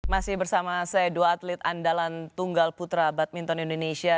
masih bersama saya dua atlet andalan tunggal putra badminton indonesia